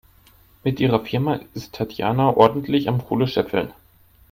Mit ihrer Firma ist Tatjana ordentlich am Kohle scheffeln.